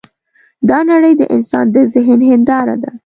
دا نړۍ د انسان د ذهن هینداره ده.